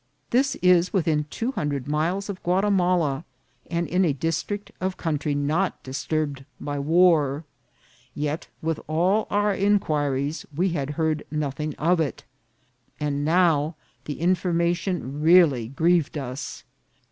This is within two hundred miles of Guatimala, and in a district of country not disturbed by war ; yet, with all our inquiries, we had heard nothing of it. And now, the information really grieved us.